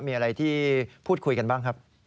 มีอะไรที่พูดคุยกันบ้างครับ